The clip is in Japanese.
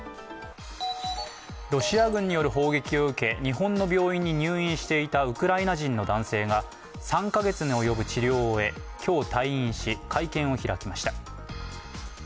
ロシア軍による砲撃を受け日本の病院に入院していたウクライナ人の男性が３カ月に及ぶ治療を終え、今日退院し、会見を開きました。